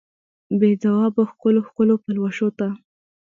بې ځوابه ښکلو، ښکلو پلوشو ته